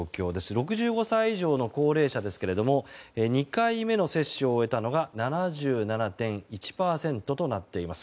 ６５歳以上の高齢者ですけれども２回目の接種を終えたのが７７．１％となっています。